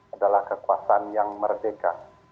adalah kekuasaan yang merdeka